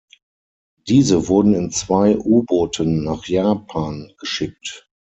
Diese wurden in zwei U-Booten nach Japan geschickt.